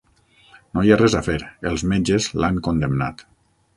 No hi ha res a fer, els metges l'han condemnat.